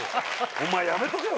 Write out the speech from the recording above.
お前やめとけよ